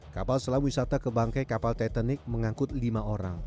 kapal selam wisata ke bangkai kapal titanic mengangkut lima orang